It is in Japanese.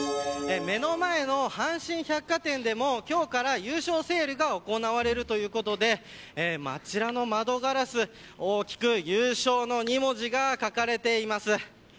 目の前の阪神百貨店でも今日から優勝セールが行われるということであちらの窓ガラス大きく優勝の２文字が書かれています。